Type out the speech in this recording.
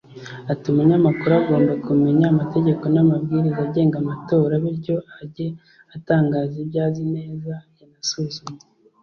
Ati “Umunyamakuru agomba kumenya amategeko n’amabwiriza agenga amatora bityo ajye atangaza ibyo azi neza yanasuzumye